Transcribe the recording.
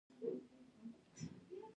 باختري دوره